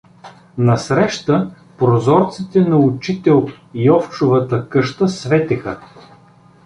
Насреща прозорците на учител Йовчовата къща светеха.